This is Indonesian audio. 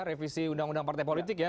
revisi undang undang partai politik ya